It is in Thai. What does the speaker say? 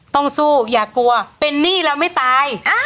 ต้องสู้อย่ากลัวเป็นหนี้แล้วไม่ตาย